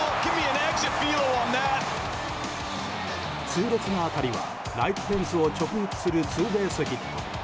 痛烈な当たりはライトフェンスを直撃するツーベースヒット。